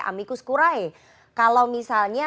amicus curae kalau misalnya